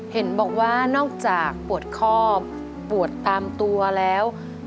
เห็นบอกว่านอกจากปวดคอบปวดตามตัวแล้ว